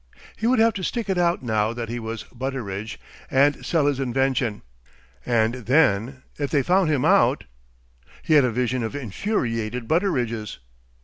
He would have to stick it out now that he was Butteridge, and sell his invention. And then, if they found him out! He had a vision of infuriated Butteridges....